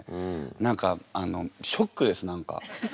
何かあのショックです何か。